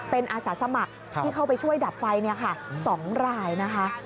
เป็นอาสาสมัครที่เข้าไปช่วยดับไฟ๒รายนะคะ